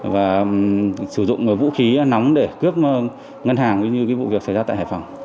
và sử dụng vũ khí nóng để cướp ngân hàng cũng như vụ việc xảy ra tại hải phòng